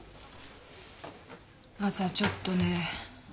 朝ちょっとね。